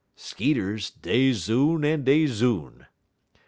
(_Skeeters dey zoon en dey zoon.